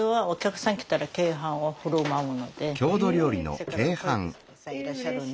せっかく小雪さんいらっしゃるんで。